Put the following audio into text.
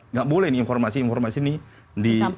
nggak boleh nih informasi informasi ini di